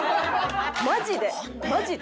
マジで！